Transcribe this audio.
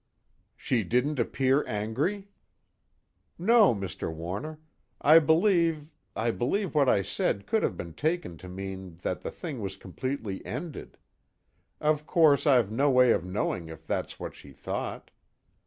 "She didn't appear angry?" "No, Mr. Warner. I believe I believe what I said could have been taken to mean that the thing was completely ended. Of course I've no way of knowing if that's what she thought.